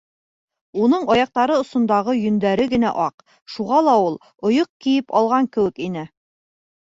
Уның аяҡтары осондағы йөндәре генә аҡ, шуға ла ул ойоҡ кейеп алған кеүек ине.